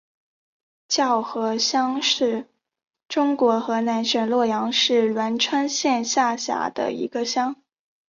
叫河乡是中国河南省洛阳市栾川县下辖的一个乡。